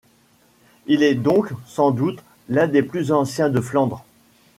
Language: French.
Il est donc, sans doute, l'un des plus anciens de Flandre.